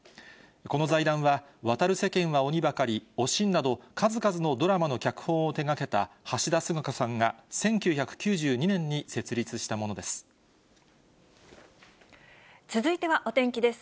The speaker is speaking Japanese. この財団は、渡る世間は鬼ばかり、おしんなど、数々のドラマの脚本を手がけた橋田壽賀子さんが、１９９２年に設続いてはお天気です。